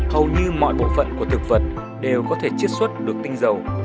hầu như mọi bộ phận của thực vật đều có thể chiết xuất được tinh dầu